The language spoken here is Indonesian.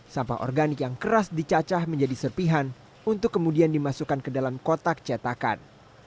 sampah organik yang keras dicacah menjadi serpihan untuk kemudian dimasukkan ke dalam kotak cetakan